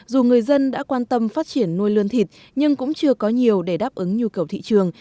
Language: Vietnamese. dù người dân đã quan tâm phát triển nuôi lươn thịt nhưng cũng chưa có nhiều để đáp ứng nhu cầu thị trường